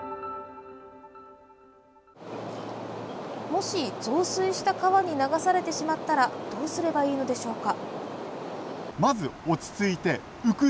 もし増水した川に流されてしまったらどうすればいいのでしょうか。